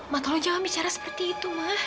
mama tolong jangan bicara seperti itu ma